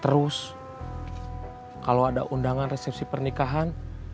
terus kalau ada undangan resepsi pernikahan